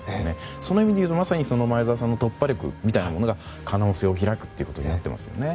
その意味でいうと、まさに前沢さんの突破力みたいなものが可能性を開くということになりますよね。